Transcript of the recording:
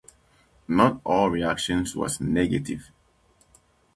Not all reaction was negative.